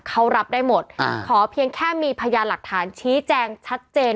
เขารับได้หมดขอเพียงแค่มีพยานหลักฐานชี้แจงชัดเจน